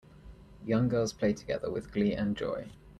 Young girls play together with glee and joy.